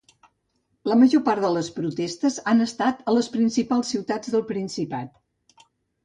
La major part de les protestes han estat a les principals ciutats del Principat.